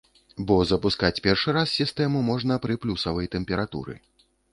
Бо запускаць першы раз сістэму можна пры плюсавай тэмпературы.